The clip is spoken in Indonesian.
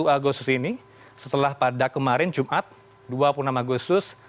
dua puluh agustus ini setelah pada kemarin jumat dua puluh enam agustus